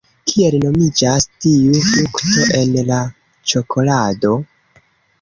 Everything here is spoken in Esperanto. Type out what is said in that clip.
Kiel nomiĝas tiu frukto en la ĉokolado?